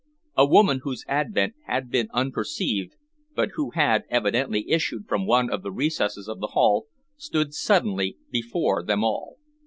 A woman whose advent had been unperceived, but who had evidently issued from one of the recesses of the hall, stood suddenly before them all.